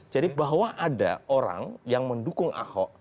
jadi bahwa ada orang yang mendukung ahok